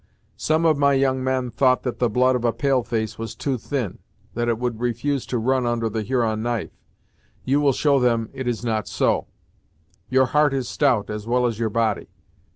Some of my young men thought that the blood of a pale face was too thin; that it would refuse to run under the Huron knife. You will show them it is not so; your heart is stout, as well as your body.